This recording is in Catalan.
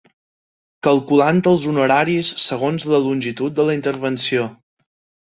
Calculant els honoraris segons la longitud de la intervenció.